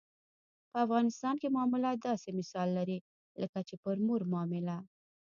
په افغانستان معامله داسې مثال لري لکه چې پر مور معامله.